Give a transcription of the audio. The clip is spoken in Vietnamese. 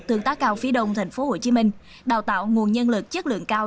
tương tác cao phía đông tp hcm đào tạo nguồn nhân lực chất lượng cao